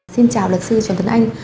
xin chào luật sư trần tuấn anh